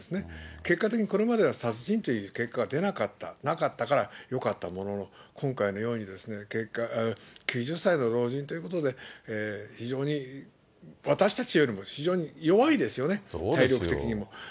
結果的にこれまでは殺人という結果が出なかった、なかったからよかったものの、今回のように、結果、９０歳の老人ということで、非常に、私たちよりも非常に弱いですよね、体力的にも。